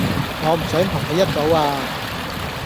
我唔想同佢一組呀